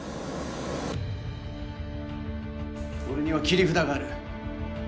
俺には切り札がある。